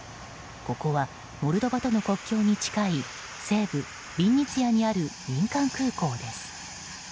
ここはモルドバとの国境に近い西部ビンニツィアにある民間空港です。